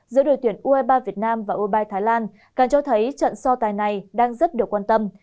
giữa đội tuyển u hai mươi ba việt nam và u hai mươi ba thái lan càng cho thấy trận so tài này đang rất được quan tâm